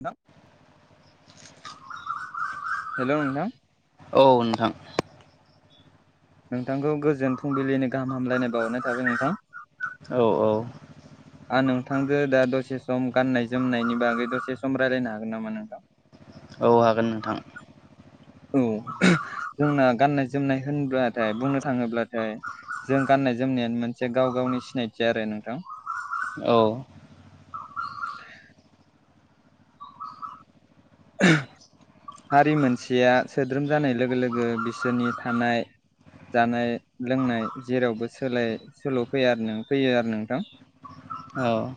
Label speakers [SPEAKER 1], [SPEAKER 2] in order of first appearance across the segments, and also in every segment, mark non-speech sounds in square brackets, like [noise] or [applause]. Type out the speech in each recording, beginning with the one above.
[SPEAKER 1] [unintelligible] Hello नोंथां
[SPEAKER 2] औ नोंथां
[SPEAKER 1] नोंथांखौ गोजोन फुंबिलिनि गाहाम हामलायनाय बावरनाय थाबाय नोंथां
[SPEAKER 2] औ औ
[SPEAKER 1] आं नोंथांजो दा दसे सम गान्नाय जोमनायनि बागै दसे सम रायलायनो हागोन नामा नोंथां
[SPEAKER 2] औ हागोन नोंथां
[SPEAKER 1] औ जोंना गाननाय जोमनाय होनब्लाथाय बुंनो थाङोब्लाथाय जों गाननाय जोमनायानो मोनसे गाव गाव गावनि सिनायथि आरो नोंथां
[SPEAKER 2] औ
[SPEAKER 1] [inaudible] [unintelligible] हारि मोनसेया सोद्रोम जानाय लोगो लोगो बिसोरनि थानाय जानाय लोंनाय जेरावबो सोलाय सोल फैया आरो फैयो आरो नोंथां
[SPEAKER 2] औ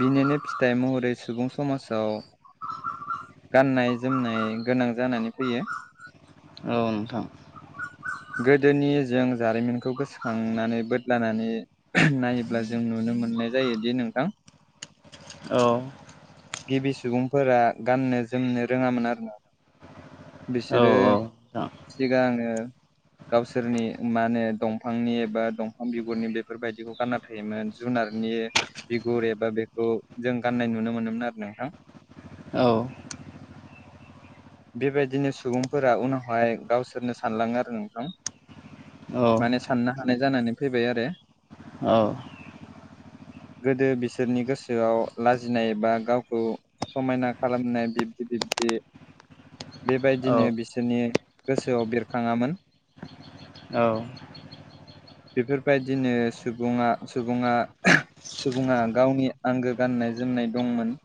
[SPEAKER 1] बिनिनो फिथाइ महरै सुबुं समाजाव गाननाय जोमनाय गोनां जानानै फैयो
[SPEAKER 2] अ नोंथां
[SPEAKER 1] [inaudible] गोदोनि जों जारिमिनखौ गोसोखांनानै बोदलानानै नायोब्ला जों नुनो मोनो मोननाय जायोदि नोंथां
[SPEAKER 2] औ
[SPEAKER 1] गिबि सुबुंफोरा गाननो जोमनो रोङामोन आरो ना
[SPEAKER 2] औ
[SPEAKER 1] बिसोरो
[SPEAKER 2] नोंथां
[SPEAKER 1] सिगांङो गावसोरनि मा होनो दंफांनि एबा दंफां बिगुरनि बेफोरबायदिखौ गानना थायोमोन जुनारनि बिगुर एबा बेखौ जों गाननाय नुनो मोनोमोन आरो नोंथां
[SPEAKER 2] औ
[SPEAKER 1] बेबायदिनो सुबुंफोरा उनावहाय गावसोरनो सानलाङो आरो नोंथां
[SPEAKER 2] औ
[SPEAKER 1] माने साननो हानाय जानानै फैबाय आरो
[SPEAKER 2] औ
[SPEAKER 1] गोदो बिसोरनि गोसोआव लाजिनाय बा गावखौ समायना खालामनाय बिब्दि बिब्दि बेबायदिनो बिसोरनि गोसोआव बेरखाङामोन। [inaudible] बेफोरबायदिनो सुबुङा सुबुङा सुबुङा गावनि आंगो गान गाननाय जोमनाय दंमोन।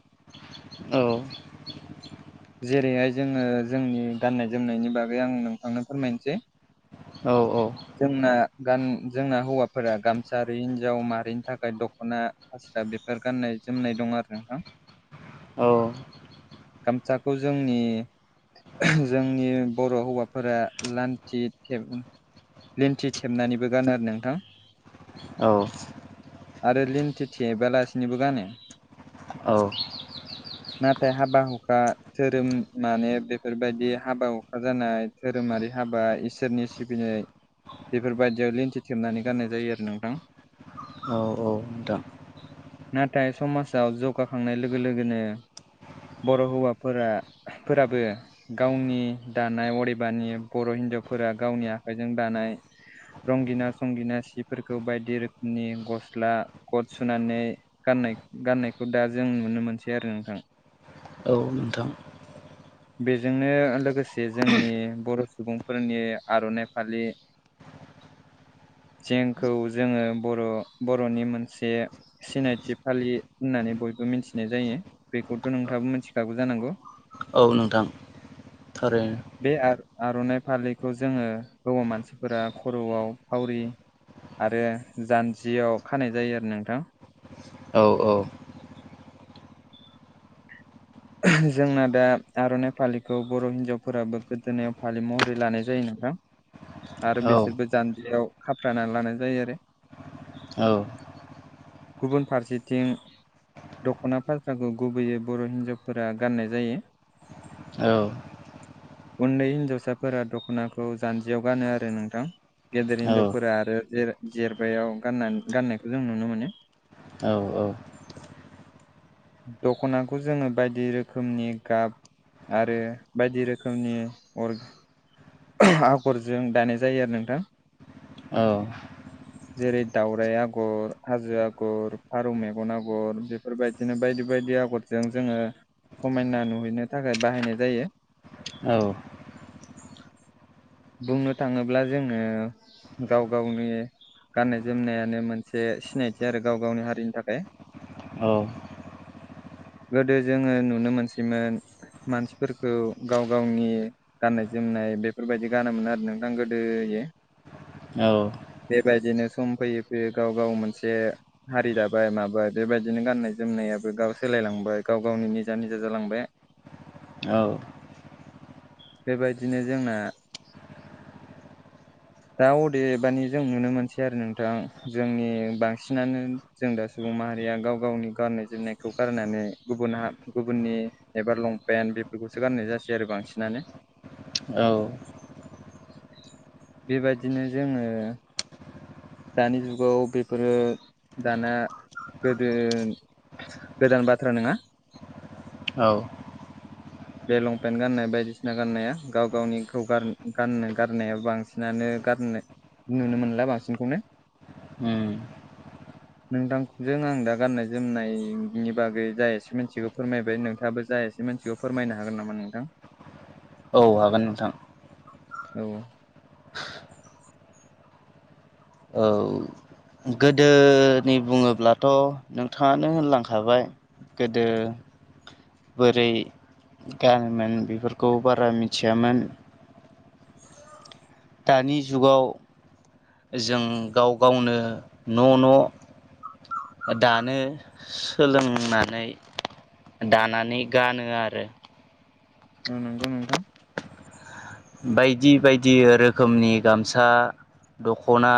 [SPEAKER 1] जेरैहाय जोङो जोंनि गाननाय जोमनायनि बागै आं नोंथांनो फोरमायनोसै।
[SPEAKER 2] औ औ।
[SPEAKER 1] जोंना गान जोंना हौवाफोरा गामसा हिनजाव मारिनि थाखाय दख'ना। दा बेफोर गाननाय जोमनाय दं आरो नोंथां।
[SPEAKER 2] औ।
[SPEAKER 1] गामसाखौ जोंनि जोंनि बर' हौवाफोरा लान्थि थेब लेन्थि थेबनानैबो गानो आरो नोंथां। आरो लिन्थि थेबालासिनिबो गानो।
[SPEAKER 2] औ
[SPEAKER 1] नाथाय हाबा हुखा धोरोम माने बेफोरबायदि हाबा हुखा जानाय धोरोम माबोरै हाबा इसोरनि सिबिनाय बेफोरबायदियाव लिन्थि थेबनानै गाननाय जायो आरो नोंथां।
[SPEAKER 2] औ औ नोंथां।
[SPEAKER 1] नाथाय समाजाव जौगाखांनाय लोगो लोगोनो बर' हौवाफोरा फोराबो गावनि दानाय अदेबानि बर' हिन हिन्जावफोरा गावनि आखाइजों दानाय रंगिना संगिना सिफोरखौ बायदि रोखोमनि गस्ला गद सुनानै गाननाय गाननायखौ दा जों नुनो मोनसै आरो नोंथां।
[SPEAKER 2] औ नोंथां।
[SPEAKER 1] [inaudible] बेजोंनो लोगोसे जोंनि बर' सुबुंफोरनि आर'नाइ फालि जोंखौ जोङो बर' बर'नि मोनसे सिनायथि फालि होननानै बयबो मिथिनाय जायो बेखौथ' नोंथाङाबो मिथिखागौ जानांगौ।
[SPEAKER 2] औ नोंथां थारैनो।
[SPEAKER 1] बे आर'नाइ फालिखौ जोङो हौवा मानसिफोरा खर'आव फावरि आरो जान्जियाव खानाय जायो आरो नोंथां।
[SPEAKER 2] औ
[SPEAKER 1] जोंना दा आर'नाइ फालिखौ बर' हिनजावफोराबो गोदोनायाव फालि महरै लानाय जायो नों आरो
[SPEAKER 2] औ
[SPEAKER 1] बिसोरबो जान्जियाव खाफ्रानानै लानाय जायो आरो।
[SPEAKER 2] औ
[SPEAKER 1] गुबुन फारसेथिं दख'ना फाफ्राखौ गुबैयै बर' हिनजाव फोरा गाननाय जायो।
[SPEAKER 2] औ
[SPEAKER 1] उन्दै हिन्जावसाफोरा दख'नाखौ जान्जियाव गानो आरो नोंथां। गेदेर
[SPEAKER 2] औ
[SPEAKER 1] हिनजावफोरा आरो जेर जेरबायायाव गानना गाननायखौ जों नुनो मोनो।
[SPEAKER 2] औ औ।
[SPEAKER 1] दख'नाखौ जोङो बायदि रोखोमनि गाब आरो बायदि रोखोमनि अर आगरजों दानाय जायो आरो नोंथां।
[SPEAKER 2] [unintelligible]
[SPEAKER 1] जेरै दावराइ आगर हाजो आगर फारौ मेगन आगर बेफोरबायद दिनो बायदि बायदि आगरजों जोङो समायना नुहैनो थाखाय बाहायनाय जायो।
[SPEAKER 2] औ।
[SPEAKER 1] बुंनो थाङोब्ला जोङो गाव गावनि गाननाय जोमनायानो मोनसे सिनायथि आरो गाव गावनि हारिनि थाखाय।
[SPEAKER 2] औ।
[SPEAKER 1] [inaudible] गोदो जोङो नुनो मोनसैमोन मानसिफोरखौ गाव गावनि गाननाय जोमनाय बेफोरबायाददि गानोमोन आरो नोंथां गोदोयो
[SPEAKER 2] औ
[SPEAKER 1] बेबायदिनो सम फैयै फैयै गाव गाव मोनसे हारि दाबाय माबाय बेबायदिनो गाननाय जोमनायाबो गाव सोलायलांबाय गाव गावनि निजा निजा जालांबाय बेबायदिनो जोंना दा अदेबानि जों नुनो मोनसै आरो नोंथां जोंनि बांसिनानो जों दा सुबुं माहारिया गाव गावनि गाननाय जोमनायखौ गारनानै गुबुनहा गुबुननि एबा लंपेन्ट बेफोरखौसो गाननाय जासै आरो बा बांसिनानो
[SPEAKER 2] औ
[SPEAKER 1] बेबायदिनो जोङो दानि जुगाव बेफोरो दाना गोदो गोदान बाथ्रा नङा
[SPEAKER 2] औ
[SPEAKER 1] [inaudible] बे लंपेन्ट गाननाय बायदिसिना गाननाया गाव गावनिखौ गाननाय गारनाया बांसिनानो गान नुनो मोनला बांसिनखौनो
[SPEAKER 2] ओम
[SPEAKER 1] [unintelligible] नोंथांजों आं दा गाननाय जोमनायनि बागै जायासै मिथिगौ फोरमायबाय नोंथाङाबो जाय एसे मोनथिगौ फोरमायनो हागोन नामा नोंथां
[SPEAKER 2] औ हागोन नोंथां
[SPEAKER 1] औ
[SPEAKER 2] औ गोदोनि बुङोब्लाथ' नोंथाङानो होनलांखाबाय गोदो बोरै गानोमोन बेफोरखौ बारा मिथियामोन दानि जुगाव जों गाव गावनो न' न' दानो सोलोंनानै दानानै गानो आरो
[SPEAKER 1] औ नंगौ नोंथां
[SPEAKER 2] बायदि बायदि रोखोमनि गामसा दख'ना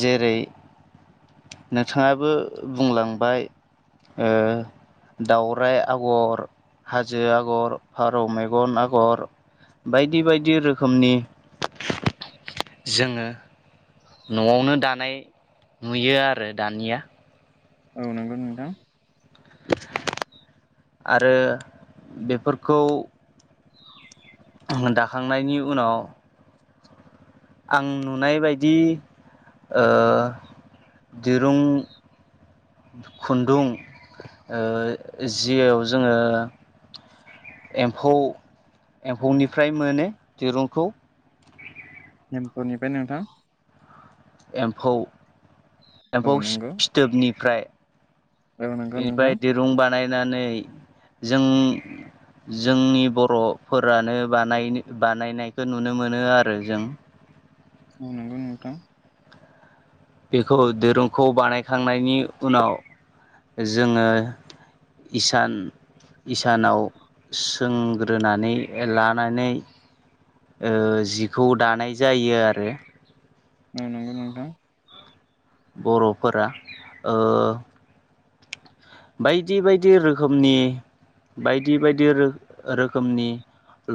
[SPEAKER 2] जेरै नोंथाङाबो बुंलांबाय ओ दाउराइ आगर हाजो आगर फारौ मेगन आगर बायदि बायदि रोखोमनि
[SPEAKER 1] [unintelligible]
[SPEAKER 2] जोङो न'आवनो दानाय नुयो आरो दानिया
[SPEAKER 1] औ नंगौ नोंथां
[SPEAKER 2] आरो बेफोरखौ दाखांनायनि उनाव आं नुनायबायदि ओ दिरुं खुन्दुं ओ जियाव जोङो एम्फौ एम्फौनिफ्राय मोनो दिरुंखौ
[SPEAKER 1] एमफौनिफ्राय नोंथां
[SPEAKER 2] एम्फौ
[SPEAKER 1] औ
[SPEAKER 2] एम्फौ सि
[SPEAKER 1] नंगौ
[SPEAKER 2] फिथोबनिफ्राय
[SPEAKER 1] औ नंगौ नोंथां
[SPEAKER 2] बेनिफ्राय दिरुं बानायनानै जों जोंनि बर'फोरानो बानायनो बानायनायखौ नुनो मोनो आरो जों।
[SPEAKER 1] नोंगौ नोंथां।
[SPEAKER 2] बेखौ दिरुंखौ बानायखांनायनि उनाव जोङो इसान इसानाव सोंग्रोनानै लानानै ओ जिखौ दानाय जायो आरो।
[SPEAKER 1] ओ नंगौ नोंथां।
[SPEAKER 2] बर'फोरा ओ बायदि बायदि रोखोमनि बायदि बायदि रो रोखोमनि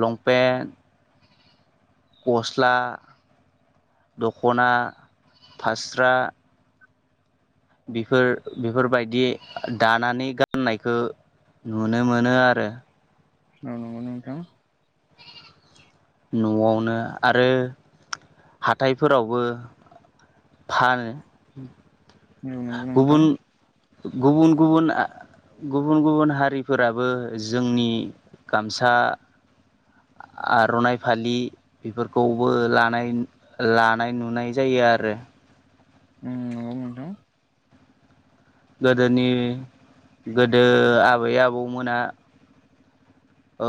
[SPEAKER 2] लंपेन्ट गस्ला, दख'ना, फास्रा बेफोर बेफोरबायदि दानानै गाननायखो नुनो मोनो आरो
[SPEAKER 1] औ नंगौ नोंथां
[SPEAKER 2] न'आवनो आरो हाथायफोरावबो फानो।
[SPEAKER 1] औ नंगौ
[SPEAKER 2] गुबुन
[SPEAKER 1] नोंथां।
[SPEAKER 2] गुबुन गुबुन आ गुबुन गुबुन हारिफोराबो जोंनि गामसा
[SPEAKER 1] [inaudible]
[SPEAKER 2] आर'नाइ फालि बेफोरखौबो लानाय लानाय नुनाय जायो आरो।
[SPEAKER 1] उम नंगौ नोंथां।
[SPEAKER 2] गोदोनि गोदो आबै आबौमोना ओ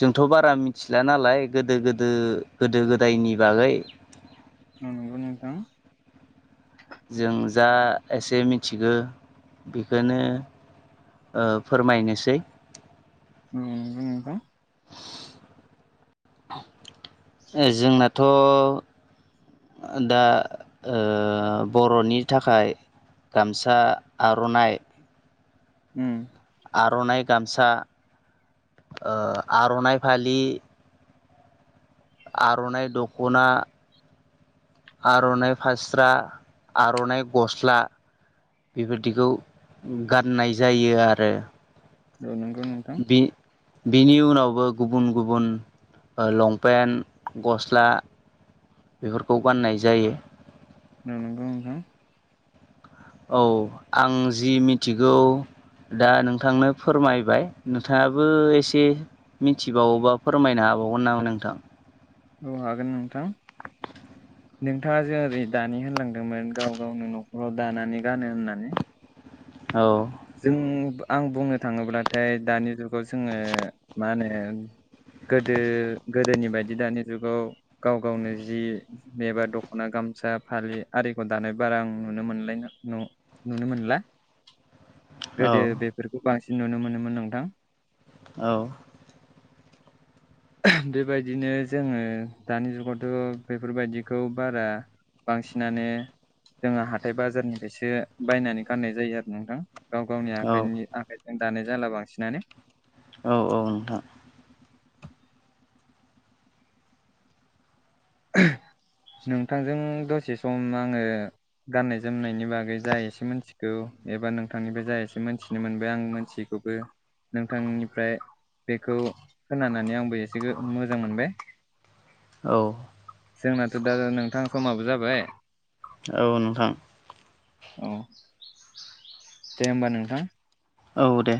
[SPEAKER 2] जोंथ' बारा मिथिला नालाय गोदो गोदो गोदो गोदायनि बागै।
[SPEAKER 1] उम नंगौ नोंथां।
[SPEAKER 2] जों जा एसे मिथिगो बेखोनो ओ फोरमायनोसै
[SPEAKER 1] उम नोंगौ नोंथा।
[SPEAKER 2] ए जोंनाथ' दा ओ बर'नि थाखाय गामसा आर'नाइ
[SPEAKER 1] उम
[SPEAKER 2] आर'नाइ गामसा ओ आर'नाइ फालि आर'नाइ दख'ना आर'नाइ फास्रा, आर'नाइ गस्ला बेफोरदिखौ गाननाय जायो आरो।
[SPEAKER 1] औ नंगौ नोंथां।
[SPEAKER 2] बि बिनि उनावबो गुबुन गुबुन ओ लंपेन्ट, गस्ला बेफोरखौ गाननाय जायो।
[SPEAKER 1] नंगौ नोंथां।
[SPEAKER 2] औ आं जि मिथिगौ दा नोंथांनो फोरमायबाय नोंथाङाबो एसे मिथिबावोबा फोरमायना हाबावगोन नामा नोंथां?
[SPEAKER 1] औ हागोन नोंथां। नोंथाङा जो ओरै दानि होनलांदोंमोन गाव गावनो न'खराव दानानै गानो होननानै।
[SPEAKER 2] औ
[SPEAKER 1] जों आं बुंनो थाङोब्लाथाय दानि जुगाव जोङो मा होनो गोदो गोदोनि बायदि दानि जुगाव गाव गावनो जि मेबा दख'ना गाम गामसा फालि आरिखौ दानाय बारा आं नुनो मोन [unintelligible] नुनो मोनला।
[SPEAKER 2] औ
[SPEAKER 1] गोदो बेफोरखौ बांसिन नुनो मोनोमोन नोंथां।
[SPEAKER 2] औ।
[SPEAKER 1] बेबायदिनो जोङो दानि जुगावथ' बेफोरबायदिखौ बारा बांसिनानो जोंहा हाथाइ बाजारनिफ्रायसो बायनानै गाननाय जायो आरो नोंथां। गाव गावनि
[SPEAKER 2] औ
[SPEAKER 1] आखाइनि आखाइजों दानाय जाला बांसिनानो।
[SPEAKER 2] औ औ नोंथां।
[SPEAKER 1] नोंथांजों दसे सम आङो गाननाय जोमनायनि बागै जा एसे मोनथिगौ एबा नोंथांनिफ्राय जा एसे मोनथिनो मोनबाय आं मोनथियिखौ बो नोंथांनिफ्राय बेखौ खोनानानै आंबो एसे मोजां मोनबाय।
[SPEAKER 2] औ।
[SPEAKER 1] जोंनाथ' दा नोंथां समाबो जाबाय।
[SPEAKER 2] औ नोंथां।
[SPEAKER 1] औ दे होमबा नोंथां।
[SPEAKER 2] औ दे।